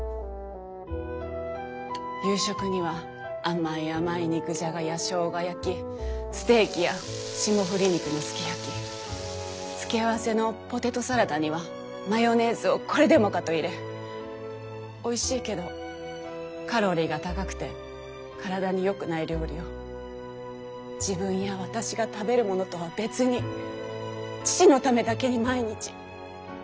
夕食には甘い甘い肉じゃがやしょうが焼きステーキや霜降り肉のすき焼き付け合わせのポテトサラダにはマヨネーズをこれでもかと入れおいしいけどカロリーが高くて体によくない料理を自分や私が食べるものとは別に父のためだけに毎日。